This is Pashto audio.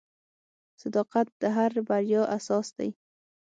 • صداقت د هر بریا اساس دی.